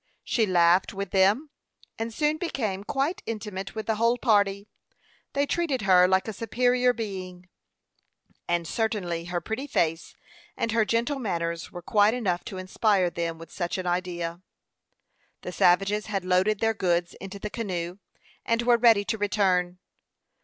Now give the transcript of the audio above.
She laughed with them, and soon became quite intimate with the whole party. They treated her like a superior being; and certainly her pretty face and her gentle manners were quite enough to inspire them with such an idea. The savages had loaded their goods into the canoe, and were ready to return.